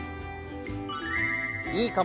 いいかも！